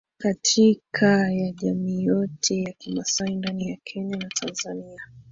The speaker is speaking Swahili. Katika ya jamii yote ya kimasai ndani Kenya na Tanzania